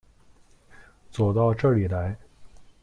走到这里来